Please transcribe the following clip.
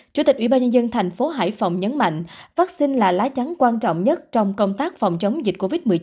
chủ tịch ubnd tp hải phòng nhấn mạnh vaccine là lá chắn quan trọng nhất trong công tác phòng chống dịch covid một mươi chín